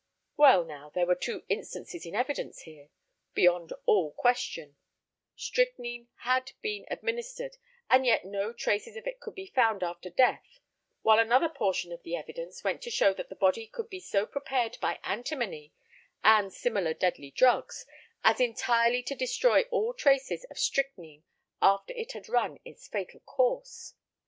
Well, now, there were two instances in evidence where, beyond all question, strychnine had been administered, and yet no traces of it could be found after death, while another portion of the evidence went to show that the body could be so prepared by antimony and similar deadly drugs, as entirely to destroy all traces of strychnine after it had run its fatal course.